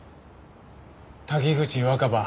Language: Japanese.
滝口若葉。